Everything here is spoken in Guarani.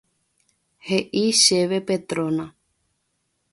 He'i chéve Petrona.